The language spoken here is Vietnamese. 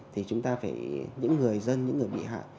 thì chúng ta phải những người dân những người bị hại